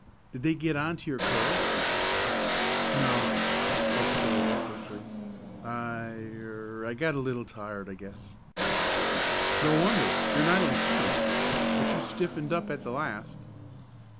Did they get on to your curves?" "No," spoke Joe listlessly. "I er I got a little tired I guess." "No wonder. You're not in trim. But you stiffened up at the last."